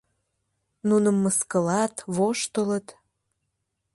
Нуным мыскылат, воштылыт.